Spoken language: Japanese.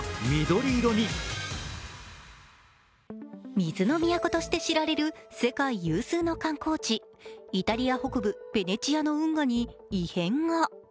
水の都として知られる世界有数の観光地、イタリア北部、ベネチアの運河に異変が。